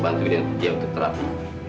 ini kesempatan kamu